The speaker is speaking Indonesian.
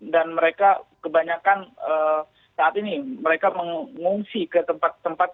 dan mereka kebanyakan saat ini mereka mengungsi ke tempat tempat